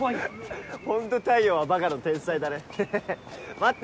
ホント太陽はばかの天才だねヘヘヘ待って！